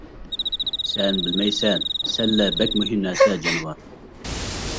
سەن بىلمەيسەن، سەللە بەك مۇھىم نەرسە، جانىۋار.